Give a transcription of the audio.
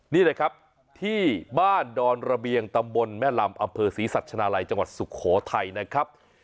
นี่แหละครับที่บ้านดอนระเบียงตำบลแม่ลำอำเภอศรีสัชนาลัยจังหวัดสุโขทัยนะครับ